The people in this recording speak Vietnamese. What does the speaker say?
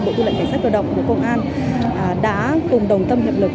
bộ tư lệnh cảnh sát đạo động của công an đã cùng đồng tâm hiệp lực